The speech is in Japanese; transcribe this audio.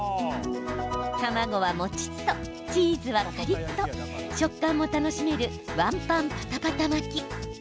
卵はもちっと、チーズはカリっと食感も楽しめるワンパンパタパタ巻き。